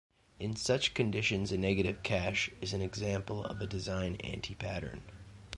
In such conditions a negative cache is an example of a design anti-pattern.